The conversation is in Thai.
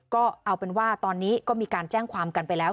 ก็เอาเป็นว่าตอนนี้ก็มีการแจ้งความกันไปแล้ว